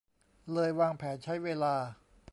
เลยวางแผนใช้เวลา